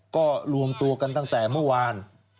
ก็รวมตัวกันตั้งแต่เมื่อวาน